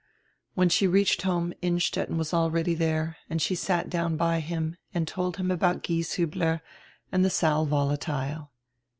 When she reached home Innstetten was already there and she sat down by him and told him about Gieshiibler and die sal volatile.